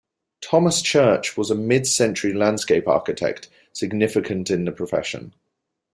Thomas Church was a mid-century landscape architect significant in the profession.